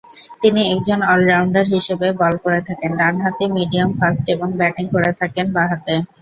তিনি একজন অল-রাউন্ডার হিসেবে বল করে থাকেন ডান-হাতি মিডিয়াম ফাস্ট এবং ব্যাটিং করে থাকেন বা-হাতে।